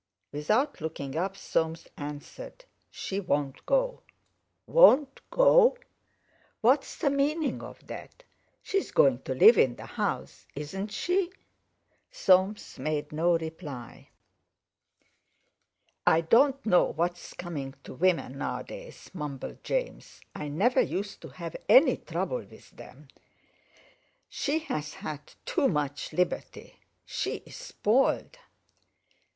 Without looking up, Soames answered: "She won't go." "Won't go? What's the meaning of that? She's going to live in the house, isn't she?" Soames made no reply. "I don't know what's coming to women nowadays," mumbled James; "I never used to have any trouble with them. She's had too much liberty. She's spoiled...."